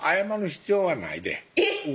必要はないでえっ！